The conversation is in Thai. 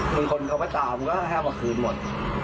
แต่คนเขาไปตามก็แค่มอคลืนหมด